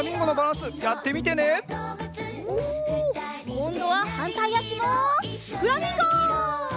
こんどははんたいあしもフラミンゴ！